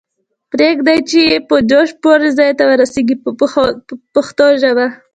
پریږدئ چې یې په جوش پوره پای ته ورسیږي په پښتو ژبه.